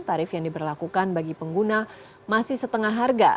tarif yang diberlakukan bagi pengguna masih setengah harga